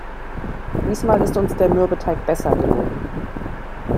Diesmal ist uns der Mürbeteig besser gelungen.